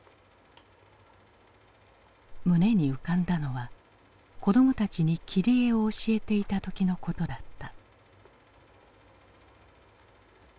胸に浮かんだのは子どもたちに切り絵を教えていた時のことだった。